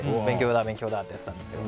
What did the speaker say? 勉強だってやってたんですけど。